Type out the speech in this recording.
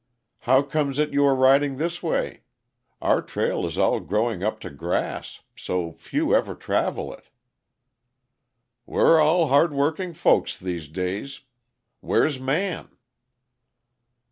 "How comes it you are riding this way? Our trail is all growing up to grass, so few ever travel it." "We're all hard working folks these days. Where's Man?"